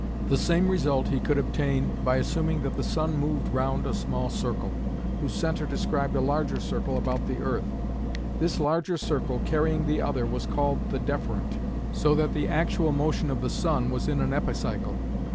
The same result he could obtain by assuming that the sun moved round a small circle, whose centre described a larger circle about the earth; this larger circle carrying the other was called the "deferent": so that the actual motion of the sun was in an epicycle.